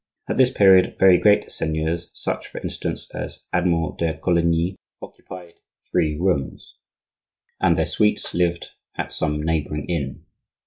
At this period very great seigneurs, such, for instance, as Admiral de Coligny, occupied three rooms, and their suites lived at some neighboring inn.